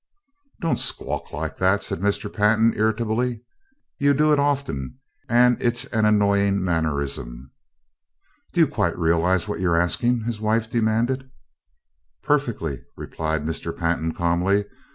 "Don't squawk like that!" said Mr. Pantin, irritably. "You do it often, and it's an annoying mannerism." "Do you quite realize what you are asking?" his wife demanded. "Perfectly," replied Mr. Pantin, calmly.